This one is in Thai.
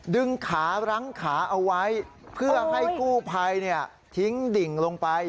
ขารั้งขาเอาไว้เพื่อให้กู้ภัยทิ้งดิ่งลงไป